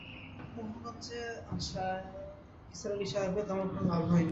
মোহনগঞ্জে আসায় নিসার আলি সাহেবের তেমন কোনো লাভ হয় নি।